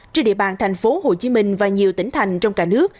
trên địa bàn thành phố hồ chí minh và nhiều tỉnh thành trong cả nước